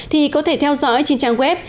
thì có thể theo dõi trên trang web